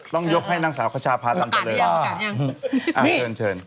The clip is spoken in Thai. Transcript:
ต้องยกให้นักสาวขวัดชาวพาทันเจริญ